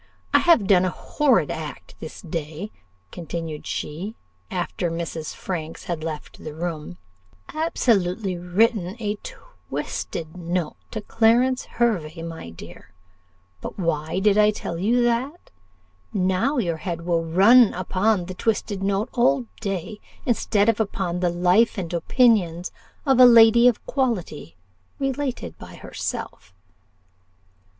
I have done a horrid act this day," continued she, after Mrs. Franks had left the room "absolutely written a twisted note to Clarence Hervey, my dear but why did I tell you that? Now your head will run upon the twisted note all day, instead of upon 'The Life and Opinions of a Lady of Quality, related by herself.